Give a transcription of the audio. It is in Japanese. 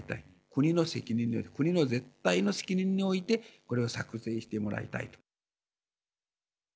国の責任国の絶対の責任においてこれを策定してもらいたいと。